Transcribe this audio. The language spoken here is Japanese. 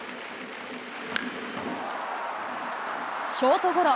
ショートゴロ。